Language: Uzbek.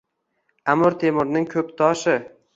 Amir Temurning “Ko‘ktosh”i